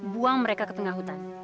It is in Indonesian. buang mereka ke tengah hutan